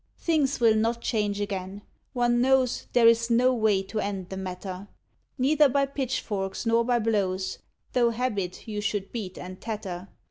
Things will not change again; one knows There is no way to end the matter, Neither by pitchforks nor by blows; Though Habit you should beat and tatter.